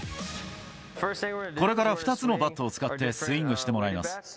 これから２つのバットを使ってスイングしてもらいます。